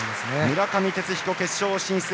村上哲彦、決勝進出。